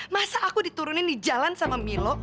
masa aku diturunin di jalan sama milo